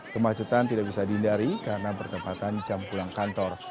kemacetan tidak bisa dihindari karena bertempatan jam pulang kantor